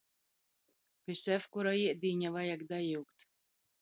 Pi sevkura iedīņa vajag dajiukt.